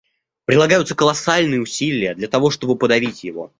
Прилагаются колоссальные усилия, для того чтобы подавить его.